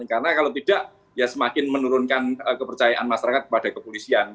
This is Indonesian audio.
karena kalau tidak ya semakin menurunkan kepercayaan masyarakat kepada kepolisian